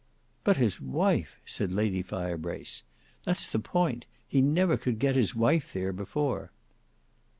"But his wife," said Lady Firebrace; "that's the point: he never could get his wife there before."